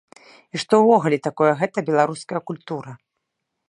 І што ўвогуле такое гэтая беларуская культура.